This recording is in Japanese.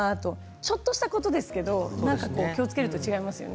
ちょっとしたことですけど気をつけると違いますよね。